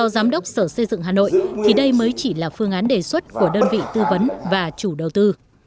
giám đốc sở xây dựng hà nội thì đây mới chỉ là phương án đề xuất của đơn vị tư vấn và chủ đầu tư